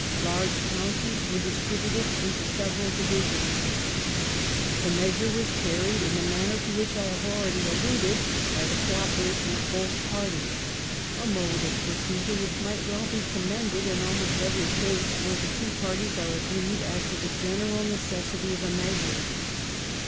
Large counties were distributed into several divisions. The measure was carried in the man ner to which I have already alluded by the co operation of both parties, a mode of procedure which might well be commended in almost every case where the two parties are agreed as to the general necessity of a measure.